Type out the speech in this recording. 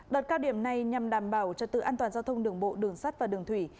đợt cao điểm này nhằm đảm bảo cho tự an toàn giao thông đường bộ đường sắt và đường thủy